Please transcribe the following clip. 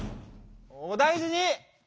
お大じに！